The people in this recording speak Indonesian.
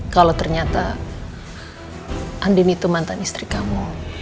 kalau ternyata andini itu mantan istri kamu